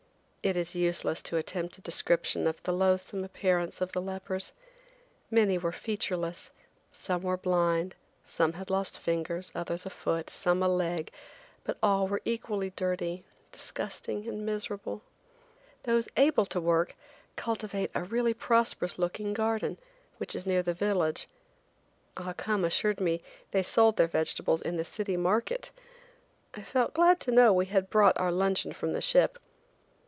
It is useless to attempt a description of the loathsome appearance of the lepers. Many were featureless, some were blind, some had lost fingers, others a foot, some a leg, but all were equally dirty, disgusting and miserable. Those able to work cultivate a really prosperous looking garden, which is near their village. Ah Cum assured me they sold their vegetables in the city market! I felt glad to know we had brought our luncheon from the ship.